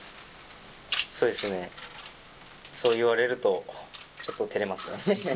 そうですね、そういわれると、ちょっとてれますね。